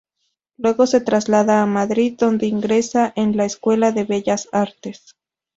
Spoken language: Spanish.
Luego se traslada a Madrid donde ingresa en la Escuela de Bellas Artes.